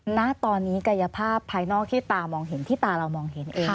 ณตอนนี้กายภาพภายนอกที่ตามองเห็นที่ตาเรามองเห็นเอง